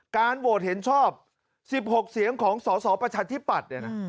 การโหวตเห็นชอบสิบหกเสียงของสอสอประชาธิปัตย์เนี่ยนะ